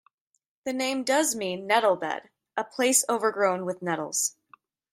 The name does mean 'nettle-bed', a place overgrown with nettles.